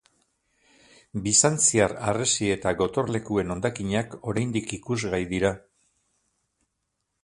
Bizantziar harresi eta gotorlekuen hondakinak oraindik ikusgai dira.